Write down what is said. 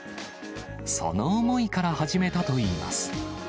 その思いから始めたといいます。